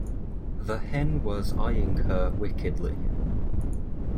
The hen was eyeing her wickedly.